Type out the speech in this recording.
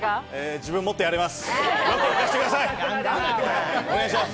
自分、もっとやれます。